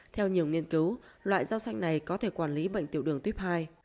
theo nhiều nghiên cứu loại rau xanh này có thể quản lý bệnh tiểu đường tuyếp hai